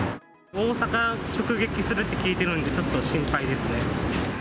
大阪直撃するって聞いてるのでちょっと心配ですね。